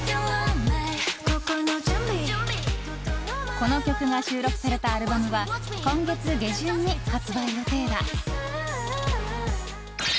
この曲が収録されたアルバムは今月下旬に発売予定だ。